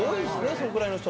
そんくらいの人。